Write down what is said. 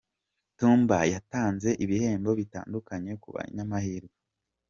Tumba yatanze ibihembo bitandukanye ku banyamahirwe